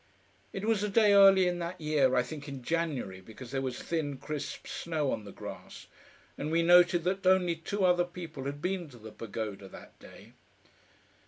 It was a day early in that year I think in January, because there was thin, crisp snow on the grass, and we noted that only two other people had been to the Pagoda that day.